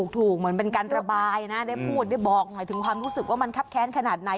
เหมือนเป็นการระบายนะได้พูดได้บอกหน่อยถึงความรู้สึกว่ามันครับแค้นขนาดไหน